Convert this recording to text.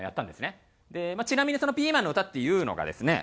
ちなみにその『ピーマンのうた』っていうのがですね